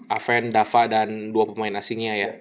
aven dava dan dua pemain asingnya ya